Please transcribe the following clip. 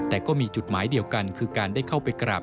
แต่ก็มีจุดหมายเดียวกันคือการได้เข้าไปกราบ